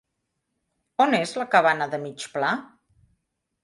On és la cabana de mig pla?